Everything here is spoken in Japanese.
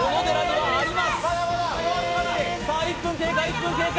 もう少しさあ１分経過１分経過